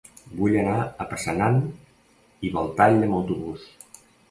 Vull anar a Passanant i Belltall amb autobús.